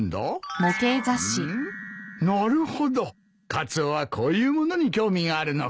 カツオはこういうものに興味があるのか。